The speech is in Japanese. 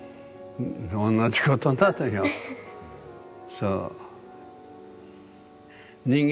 そう。